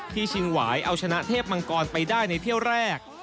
ชิงหวายเอาชนะเทพมังกรไปได้ในเที่ยวแรก